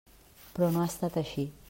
Però no ha estat així.